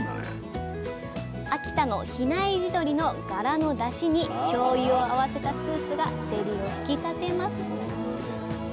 秋田の比内地鶏のガラのだしにしょうゆを合わせたスープがせりを引き立てます。